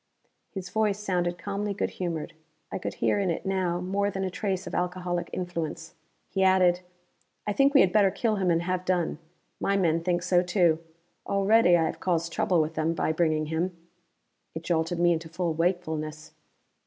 His voice sounded calmly good humored; I could hear in it now more than a trace of alcoholic influence. He added, "I think we had better kill him and have done. My men think so, too; already I have caused trouble with them, by bringing him." It jolted me into full wakefulness.